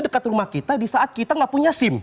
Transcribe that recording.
dekat rumah kita di saat kita nggak punya sim